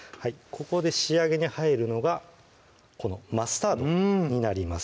ここで仕上げに入るのがこのマスタードになります